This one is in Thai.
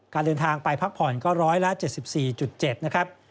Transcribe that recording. เดินทางไปพักผ่อนก็ร้อยละ๗๔๗นะครับ